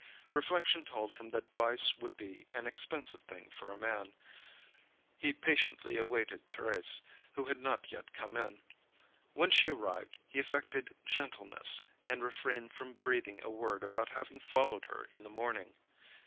Reflection told him that vice would be an expensive thing, for a man. He patiently awaited Thérèse, who had not yet come in. When she arrived, he affected gentleness, and refrained from breathing a word about having followed her in the morning.